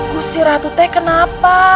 gusti ratu teh kenapa